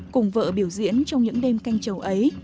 cùng vợ biểu diễn trong những đêm canh chầu ấy